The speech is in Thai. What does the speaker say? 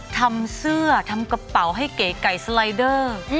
ทำเสื้อทำกระเป๋าให้เก๋ไก่สไลเดอร์